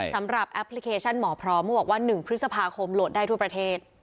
แอปพลิเคชันหมอพร้อมเขาบอกว่า๑พฤษภาคมโหลดได้ทั่วประเทศ